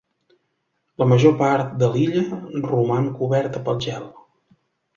La major part de l'illa roman coberta pel gel.